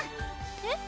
えっ？